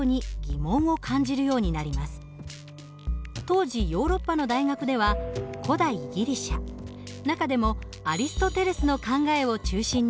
当時ヨーロッパの大学では古代ギリシア中でもアリストテレスの考えを中心に教えていました。